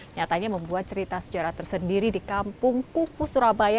nyatanya membuat cerita sejarah tersendiri di kampung kufu surabaya